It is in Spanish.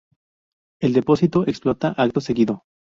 El depósito explota acto seguido.